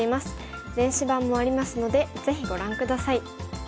電子版もありますのでぜひご覧下さい。